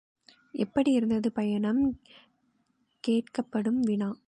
எப்படி இருந்தது பயணம்? கேட்கப்படும் வினா.